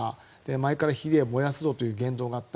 前から火で燃やすぞという言動があった。